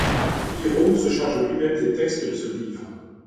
Biro se charge lui-même des textes de ce livre.